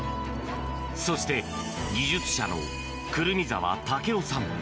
そして、技術者の胡桃澤武雄さん。